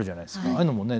ああいうのもね